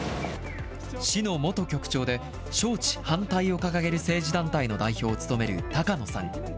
市の元局長で、招致反対を掲げる政治団体の代表を務める高野さん。